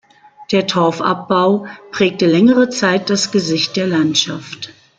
Der Torfabbau prägte längere Zeit das Gesicht der Landschaft.